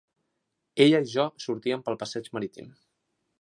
Ella i jo sortíem pel passeig marítim.